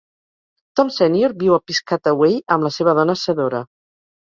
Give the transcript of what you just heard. Tom Senior viu a Piscataway amb la seva dona, Sedora.